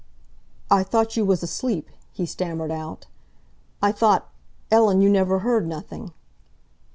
"I thought you was asleep," he stammered out. "I thought, Ellen, you never heard nothing."